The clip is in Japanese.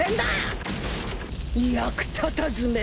役立たずめ！